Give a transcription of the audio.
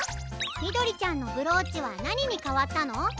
みどりちゃんのブローチはなににかわったの？